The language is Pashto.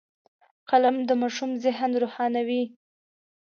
قلم د ماشوم ذهن روښانوي